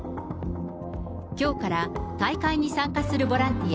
きょうから大会に参加するボランティア